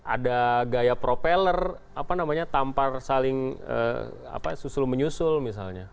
ada gaya propeller apa namanya tampar saling susul menyusul misalnya